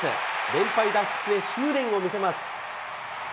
連敗脱出へ執念を見せます。